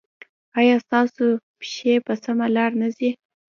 ایا ستاسو پښې په سمه لار نه ځي؟